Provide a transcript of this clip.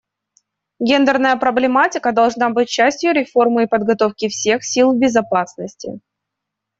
Гендерная проблематика должна быть частью реформы и подготовки всех сил безопасности.